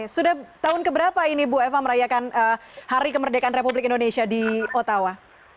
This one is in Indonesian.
sudah tahun keberapa ini bu eva merayakan hari kemerdekaan republik indonesia di ottawa